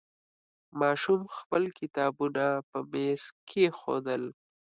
ماشوم خپل کتابونه په میز کېښودل.